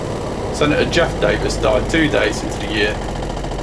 Senator Jeff Davis died two days into the year.